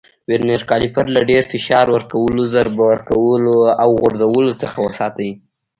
ورنیز کالیپر له ډېر فشار ورکولو، ضرب ورکولو او غورځولو څخه وساتئ.